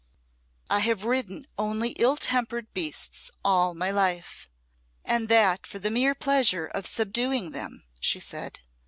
"I have ridden only ill tempered beasts all my life, and that for the mere pleasure of subduing them," she said.